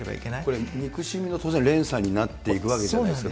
これ、憎しみの当然、連鎖になっていくわけじゃないですか。